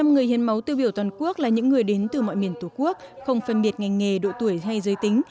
một mươi người hiến máu tiêu biểu toàn quốc là những người đến từ mọi miền tổ quốc không phân biệt ngành nghề độ tuổi hay giới tính